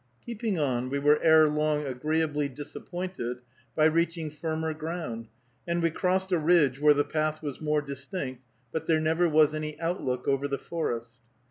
Keeping on, we were ere long agreeably disappointed by reaching firmer ground, and we crossed a ridge where the path was more distinct, but there was never any outlook over the forest.